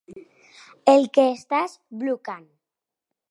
El que estàs blocant.